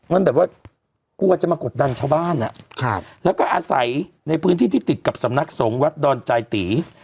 มันแบบว่ากลัวจะมากดดันชาวบ้านแล้วก็อาศัยในพื้นที่ที่ติดกับสำนักสงฆ์วัดดอนจายตี